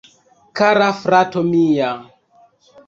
Kara frato mia..